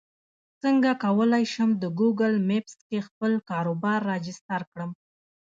څنګه کولی شم د ګوګل مېپس کې خپل کاروبار راجستر کړم